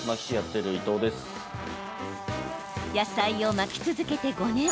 野菜を巻き続けて５年。